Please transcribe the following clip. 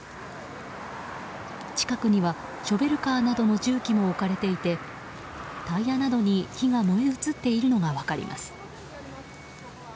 近くにはショベルカーなどの重機も置かれていてタイヤなどに火が燃え移っているのが分かります。